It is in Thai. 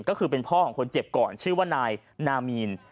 ก็คือเป็นพ่อของคนเจ็บก่อนชื่อว่านายนามีน